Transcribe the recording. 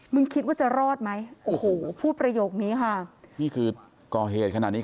คิดว่าจะรอดไหมโอ้โหพูดประโยคนี้ค่ะนี่คือก่อเหตุขนาดนี้